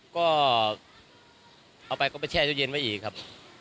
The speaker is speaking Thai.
ก็เอาไปก็ไปแช่ตู้เย็นไว้อีกครับ